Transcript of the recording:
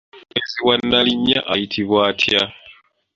Omubeezi wa Nnaalinnya ayitibwa atya?